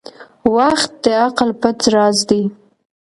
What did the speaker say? • وخت د عقل پټ راز دی.